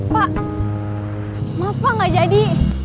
pak maaf pak gak jadi